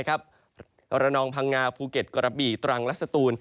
ระนองพังงาภูเก็ตกระบี่ตรังและสตูน